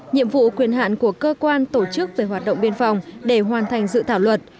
nhiệm vụ quyền hạn của cơ quan tổ chức về hoạt động biên phòng để hoàn thành dự thảo luật